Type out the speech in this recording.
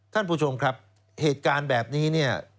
ท่านผู้ชมครับเหตุการณ์แบบนี้เนี่ย